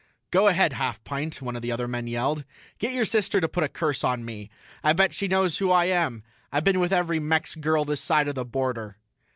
"Go ahead, half pint," one of the other men yelled. "Get your sister to put a curse on me. I bet she knows who I am; I been with every Mex girl this side of the border."